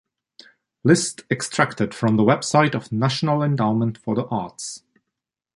List extracted from the website of National Endowment for the Arts.